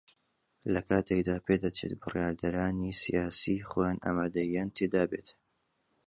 لە کاتێکدا پێدەچێت بڕیاردەرانی سیاسی خۆیان ئامادەیییان تێدا بێت